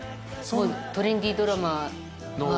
トレンディードラマ